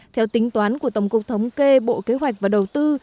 theo tính toán của tổng cục thống kê bộ kế hoạch và đầu tư